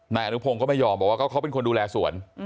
นายอนุพงศ์ก็ไม่ยอมบอกว่าเขาเป็นคนดูแลสวน